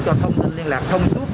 các thông tin liên lạc thông suất